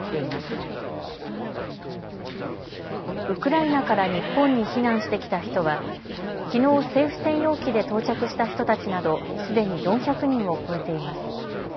ウクライナから日本に避難してきた人はきのう政府専用機で到着した人たちなどすでに４００人を超えています。